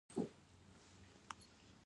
دا لوبه په شمالي ولایتونو کې کیږي.